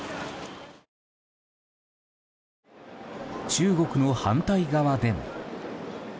中国の反対側でも。